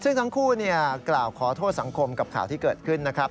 ซึ่งทั้งคู่กล่าวขอโทษสังคมกับข่าวที่เกิดขึ้นนะครับ